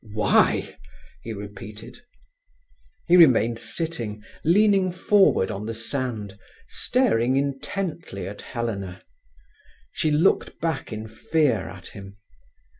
"Why!" he repeated. He remained sitting, leaning forward on the sand, staring intently at Helena. She looked back in fear at him.